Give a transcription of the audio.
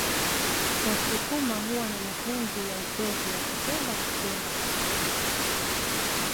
Wasukuma huwa na mapenzi ya ukweli akipenda amependa haswa haswa